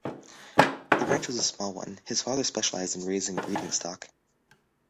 The ranch was a small one; his father specialized in raising breeding stock.